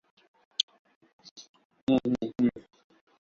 তাকে আড়ালে-আবডালে ক্ষণে ক্ষণে চকিতে দেখিতে পাইতাম।